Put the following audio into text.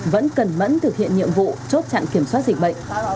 vẫn cẩn mẫn thực hiện nhiệm vụ chốt chặn kiểm soát dịch bệnh